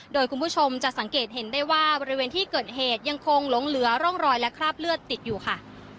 โดยคุณผู้ชมจะสังเกตเห็นได้ว่าบริเวณที่เกิดเหตุยังคงหลงเหลือร่องรอยและคราบเลือดติดอยู่ค่ะ